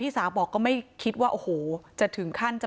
พี่สาวบอกว่าไม่ได้ไปกดยกเลิกรับสิทธิ์นี้ทำไม